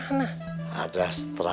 ada strategi baru harus kita cari